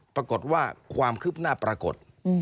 ปรากฏว่าความคืบหน้าปรากฏ